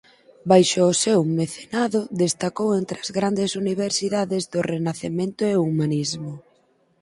Baixo o seu mecenado destacou entre as grandes universidades do renacemento e o humanismo.